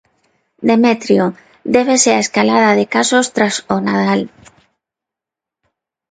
Demetrio, débese á escalada de casos tras o Nadal...